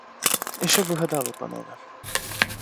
І що б ви гадали, панове?